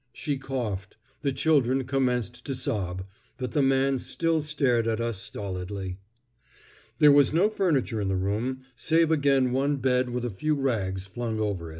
She coughed. The children commenced to sob, but the man still stared at us stolidly. There was no furniture in the room, save again one bed with a few rags flung over.